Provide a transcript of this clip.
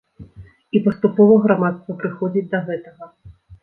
І паступова грамадства прыходзіць да гэтага.